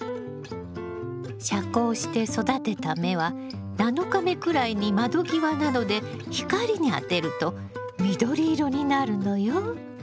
遮光して育てた芽は７日目くらいに窓際などで光にあてると緑色になるのよ。